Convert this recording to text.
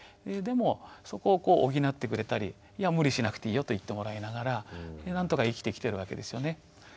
でもそこをこう補ってくれたりいや無理しなくていいよと言ってもらいながらなんとか生きてきてるわけですよね。